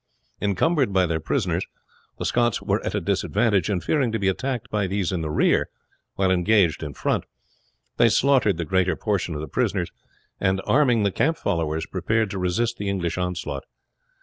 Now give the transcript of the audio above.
Encumbered by their prisoners, the Scots were at a disadvantage; and fearing to be attacked by these in the rear while engaged in front, they slaughtered the greater portion of the prisoners, and arming the camp followers, prepared to resist the English onslaught.